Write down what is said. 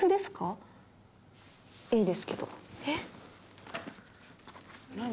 いいですけど何？